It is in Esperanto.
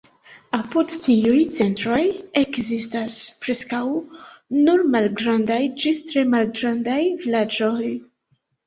Apud tiuj centroj ekzistas preskaŭ nur malgrandaj ĝis tre malgrandaj vilaĝoj.